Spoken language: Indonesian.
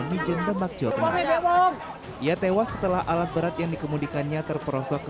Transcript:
mijeng dan makjodnya ia tewas setelah alat berat yang dikemudikannya terperosok ke